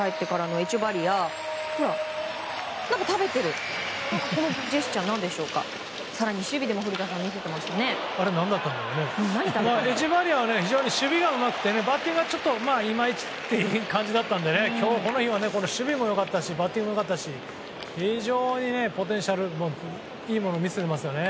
エチェバリアは非常に守備がうまくてバッティングはいまいちっていう感じだったのでこの日は守備も良かったしバッティングも良かったし非常にポテンシャルがいいものを見せていますよね。